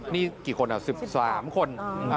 นี่กี่คน๑๓คน